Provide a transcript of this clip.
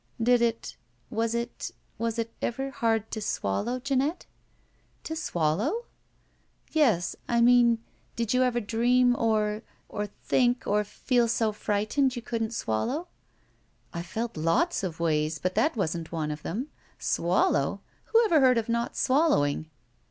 "Did it — ^was it — ^was it ever hard to swallow, Jeanette?" "To swallow?" "Yes. I mean — did you ever dream or — ^think — or feel so frightened you couldn't swallow?" "I felt lots of ways, but that wasn't one of them. Swallow! Who ever heard of not swallowing?"